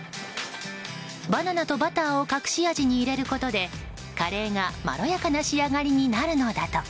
バナナとバターを隠し味に入れることでカレーがまろやかな仕上がりになるのだとか。